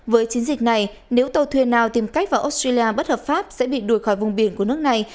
với chiến dịch này nếu tàu thuyền nào tìm cách vào australia bất hợp pháp sẽ bị đuổi khỏi vùng biển của nước này